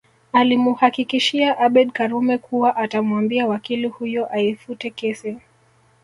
Alimuhakikishia Abeid Karume kuwa atamwambia wakili huyo aifute kesi